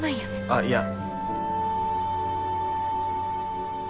あっいや。